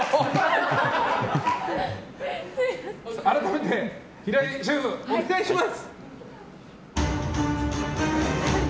改めて、平井シェフお願いします。